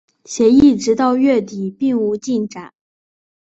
协议直到月底并无进展。